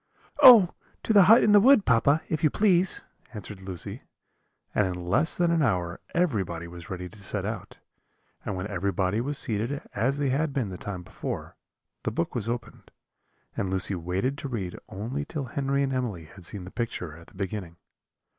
"Oh! to the hut in the wood, papa, if you please," answered Lucy; and in less than an hour everybody was ready to set out: and when everybody was seated as they had been the time before, the book was opened, and Lucy waited to read only till Henry and Emily had seen the picture at the beginning.